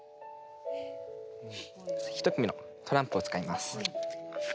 一組のトランプを使います。